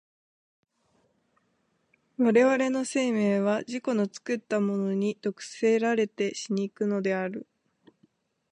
我々の生命は自己の作ったものに毒せられて死に行くのである。